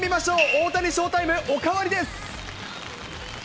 大谷ショータイムおかわりです。